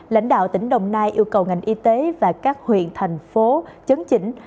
lãnh đạo tỉnh đồng nai yêu cầu ngành y tế và các huyện thành phố chấn chỉnh